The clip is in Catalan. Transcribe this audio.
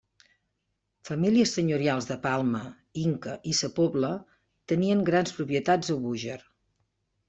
Famílies senyorials de Palma, Inca, i Sa Pobla tenien grans propietats a Búger.